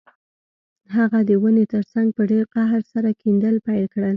هغه د ونې ترڅنګ په ډیر قهر سره کیندل پیل کړل